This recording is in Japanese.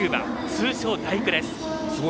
通称「第九」です。